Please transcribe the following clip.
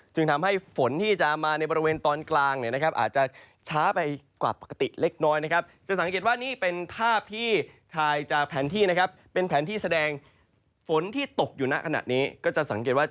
จึงทำให้ฝนที่จะมาในบริเวณตอนกลางอาจจะช้าไปกว่าปกติเล็กน้อยนะครับ